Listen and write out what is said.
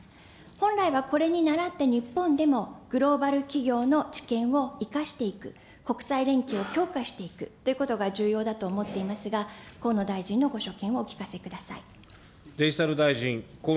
本来はこれにならって日本でもグローバル企業の知見を生かしていく、国際連携強化していくということが重要だと思っていますが、河野大臣のご所見をお聞かせください。